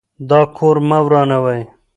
دا کور مه ورانوئ.